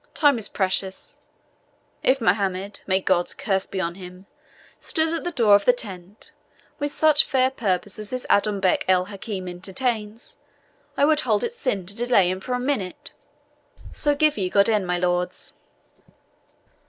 Time is precious. If Mohammed may God's curse be on him! stood at the door of the tent, with such fair purpose as this Adonbec el Hakim entertains, I would hold it sin to delay him for a minute. So, give ye God'en, my lords."